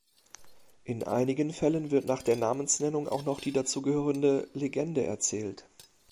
In einigen Fällen wird nach der Namensnennung auch noch die dazugehörende Legende erzählt.